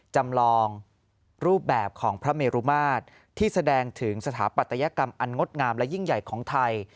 จำลองรูปแบบของพระเมรุมาตรที่แสดงถึงสถาปัตยกรรมอันงดงามและยิ่งใหญ่ของไทย